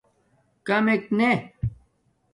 کامک نے